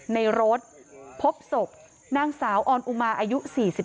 ในรถพบศพนางสาวออนอุมาอายุ๔๒